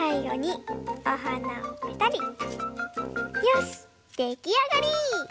よしできあがり！